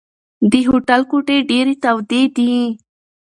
د هوټل کوټې ډېرې تودې دي.